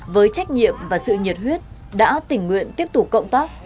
với trách nhiệm và sự nhiệt huyết đã tình nguyện tiếp tục cộng tác